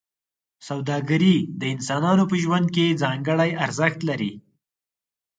سوداګري د انسانانو په ژوند کې ځانګړی ارزښت لري.